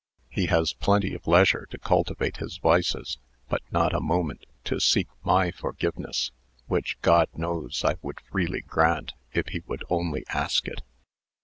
He has plenty of leisure to cultivate his vices, but not a moment to seek my forgiveness (which, God knows, I would freely grant, if he would only ask it).